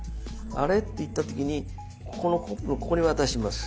「あれ？」って言った時にここのコップのここに渡します。